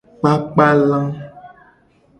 Kpakpa la.